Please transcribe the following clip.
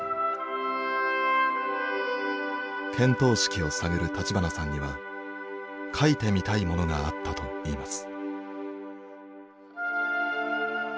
見当識を探る立花さんには書いてみたいものがあったといいます。